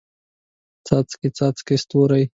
څاڅکي، څاڅکي ستوري